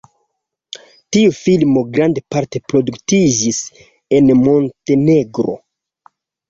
Tiu filmo grandparte produktiĝis en Montenegro.